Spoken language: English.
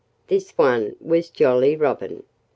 This one was Jolly Robin.